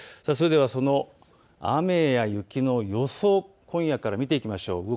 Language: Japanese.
それでは雨や雪の予想、今夜から見ていきましょう。